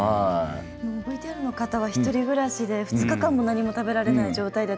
ＶＴＲの方は１人暮らしで２日間も何も食べられない状態で。